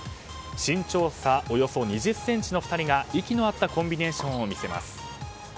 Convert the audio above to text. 身長差およそ２０ｃｍの２人が息の合ったコンビネーションを見せます。